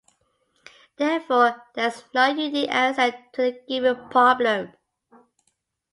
Therefore, there is no unique answer to the given problem.